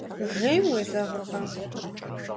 Жейм уезэгъыркъэ?